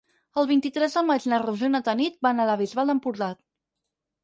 El vint-i-tres de maig na Rosó i na Tanit aniran a la Bisbal d'Empordà.